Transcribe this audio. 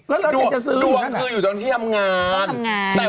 ว่าว่าเราจะจะซื้อดวงคืออยู่ต้องที่ทำงานด้วยทำงาน